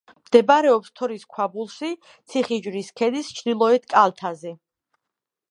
მდებარეობს თორის ქვაბულში, ციხისჯვრის ქედის ჩრდილოეთ კალთაზე.